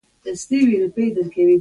د خپلې وړتيا پوره اندازه ولګوي.